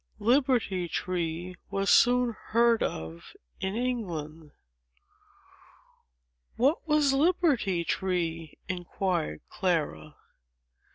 LIBERTY TREE was soon heard of in England. "What was Liberty Tree?" inquired Clara.